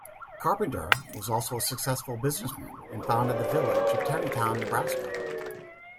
Carpenter was also a successful businessman and founded the village of Terrytown, Nebraska.